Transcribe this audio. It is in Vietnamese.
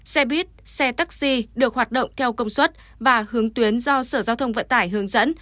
xe buýt xe taxi được hoạt động theo công suất và hướng tuyến do sở giao thông vận tải hướng dẫn